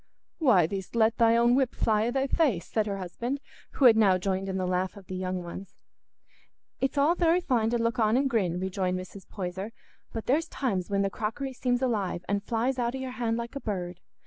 "Why, thee'st let thy own whip fly i' thy face," said her husband, who had now joined in the laugh of the young ones. "It's all very fine to look on and grin," rejoined Mrs. Poyser; "but there's times when the crockery seems alive an' flies out o' your hand like a bird.